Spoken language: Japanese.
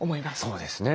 そうですね。